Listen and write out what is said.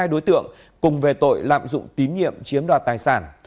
hai đối tượng cùng về tội lạm dụng tín nhiệm chiếm đoạt tài sản